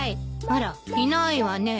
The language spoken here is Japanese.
あらいないわね。